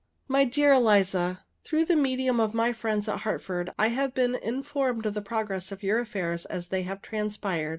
My dear Eliza: Through the medium of my friends at Hartford, I have been informed of the progress of your affairs as they have transpired.